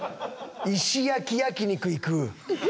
石焼き焼肉いく？